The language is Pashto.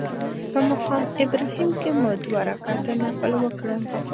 په مقام ابراهیم کې مو دوه رکعته نفل وکړل.